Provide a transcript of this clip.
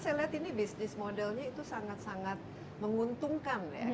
saya lihat ini bisnis modelnya itu sangat sangat menguntungkan ya